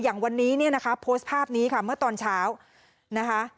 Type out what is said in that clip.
อย่างวันนี้เนี่ยนะคะโพสต์ภาพนี้ค่ะเมื่อตอนเช้านะคะ